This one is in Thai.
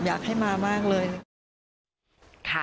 อยากให้มามากเลย